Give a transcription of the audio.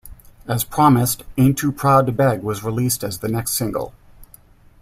As promised, "Ain't Too Proud To Beg" was released as the next single.